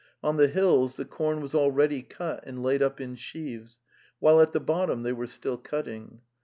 On the hills the corn was already cut and laid up in sheaves, while at the bottom they were still cutting.